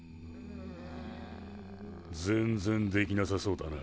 全然できなさそうだな。